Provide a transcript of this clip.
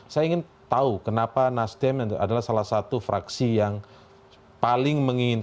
saya ingin tahu kenapa nasdem adalah salah satu fraksi yang paling menginginkan